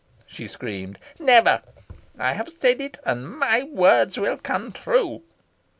she screamed. "Never! I have said it, and my words will come true.